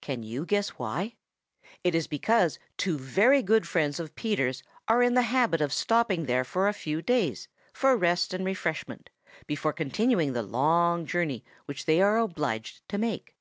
Can you guess why? It is because two very good friends of Peter's are in the habit of stopping there for a few days for rest and refreshment before continuing the long journey which they are obliged to make.